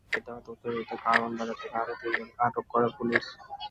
তাঁদের দেওয়া তথ্যের ভিত্তিতে কারওয়ান বাজার থেকে আরও তিনজনকে আটক করে পুলিশ।